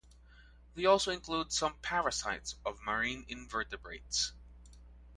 They also include some parasites of marine invertebrates.